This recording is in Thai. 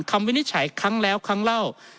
วินิจฉัยครั้งแล้วครั้งเล่า